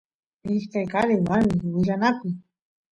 ishkay qaris warmis willanakuy